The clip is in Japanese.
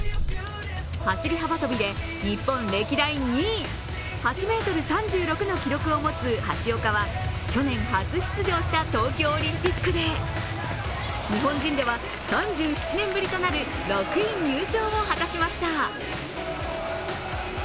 走り幅跳びで日本歴代２位、８ｍ３６の記録を持つ橋岡は去年、初出場した東京オリンピックで日本人では３７年ぶりとなる６位入賞を果たしました。